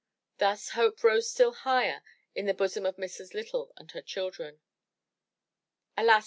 Thus hope rose still higher in the bosom of Mrs. Lytle and her children. Alas!